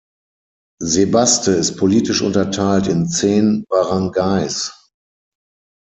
Sebaste ist politisch unterteilt in zehn Baranggays.